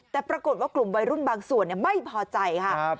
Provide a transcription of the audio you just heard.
แต่ปรากฏว่ากลุ่มวัยรุ่นบางส่วนไม่พอใจค่ะ